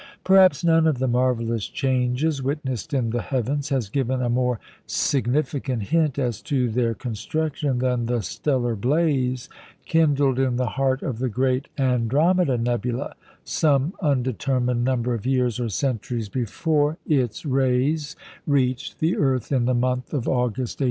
Perhaps none of the marvellous changes witnessed in the heavens has given a more significant hint as to their construction than the stellar blaze kindled in the heart of the great Andromeda nebula some undetermined number of years or centuries before its rays reached the earth in the month of August, 1885.